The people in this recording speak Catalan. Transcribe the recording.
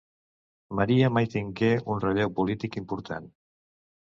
Maria mai tingué un relleu polític important.